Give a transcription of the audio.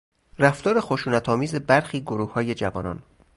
رفتار خشونتآمیز برخی گروههای جوانان